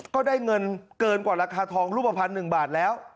ก็ได้เงินเกินกว่าราคาทองรูปภัณฑ์๑บาทแล้ว